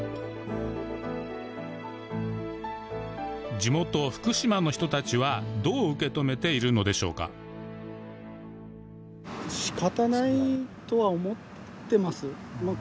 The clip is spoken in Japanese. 地元・福島の人たちはどう受け止めているのでしょうかどういう点がですか？